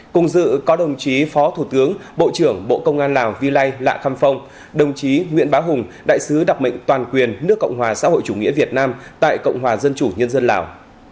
cùng dự có đồng chí phó thủ tướng bộ trưởng bộ công an lào vi lây lạ khăm phong đồng chí nguyễn bá hùng đại sứ đặc mệnh toàn quyền nước cộng hòa xã hội chủ nghĩa việt nam tại cộng hòa dân chủ nhân dân lào